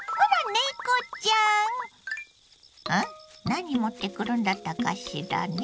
何持ってくるんだったかしらね？